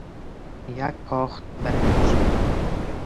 یک پخت برنج